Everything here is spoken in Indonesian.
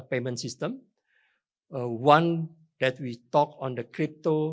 satu yang kami bicarakan tentang kripto